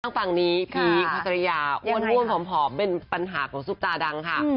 ด้านฝั่งนี้พีคฮาจริยาอ้วนผมผอมเป็นปัญหาของสุกตาดังค่ะ